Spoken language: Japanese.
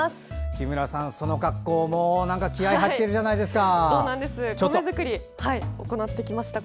木村さん、その格好気合い入ってるじゃないですか。